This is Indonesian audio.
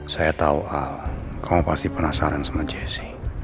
saya tahu al kamu pasti penasaran sama jessy